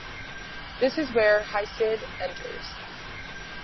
This is where Hesiod enters.